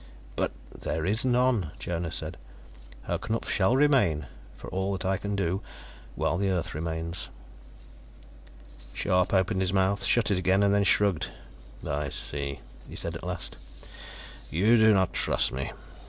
"But " "There is none," Jonas said. "Herr Knupf shall remain, for all that I can do, while the earth remains." Scharpe opened his mouth, shut it again, and then shrugged. "I see," he said at last. "You do not trust me.